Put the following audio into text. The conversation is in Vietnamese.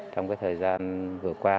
trong cái thời gian vừa qua